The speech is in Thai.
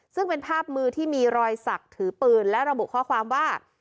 ซึ่งเป็นภาพมือที่มีรอยสักถือปืนและระบุข้อความว่า